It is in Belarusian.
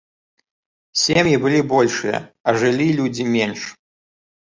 Сем'і былі большыя, а жылі людзі менш.